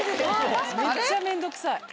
めっちゃ面倒くさい。